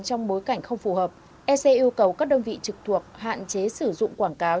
trong bối cảnh không phù hợp ec yêu cầu các đơn vị trực thuộc hạn chế sử dụng quảng cáo